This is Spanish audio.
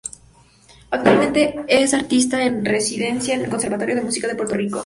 Actualmente es artista en residencia en el Conservatorio de Música de Puerto Rico.